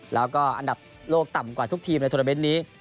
แล้วก็อันดับโลกต่ำกว่าทุกทีมในโทรเมนต์นี้